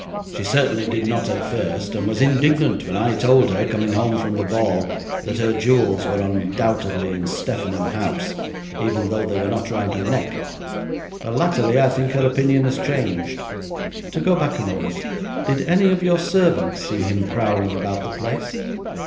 'She certainly did not at first, and was indignant when I told her, coming home from the ball, that her jewels were undoubtedly in Steffenham House, even though they were not round her neck, but latterly I think her opinion has changed.' 'To go back a moment. Did any of your servants see him prowling about the place?'